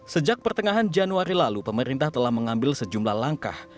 sejak pertengahan januari lalu pemerintah telah mengambil sejumlah langkah